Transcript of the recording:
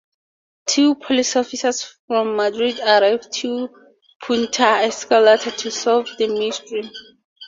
Two police officers from Madrid arrive to Punta Escarlata to solve the mystery.